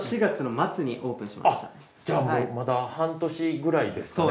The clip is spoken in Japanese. あっじゃあまだ半年くらいですかね？